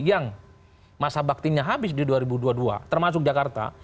yang masa baktinya habis di dua ribu dua puluh dua termasuk jakarta